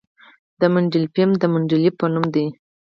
د مندلیفیم د مندلیف په نوم دی.